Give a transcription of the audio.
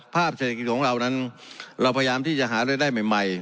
เศรษฐกิจของเรานั้นเราพยายามที่จะหารายได้ใหม่